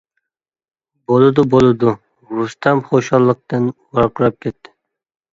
-بولىدۇ، بولىدۇ، -رۇستەم خۇشاللىقتىن ۋارقىراپ كەتتى.